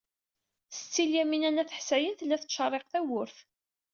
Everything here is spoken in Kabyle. Setti Lyamina n At Ḥsayen tella tettcerriq tawwurt.